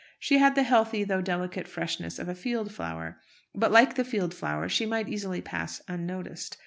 She had the healthy, though delicate, freshness of a field flower; but, like the field flower, she might easily pass unnoticed.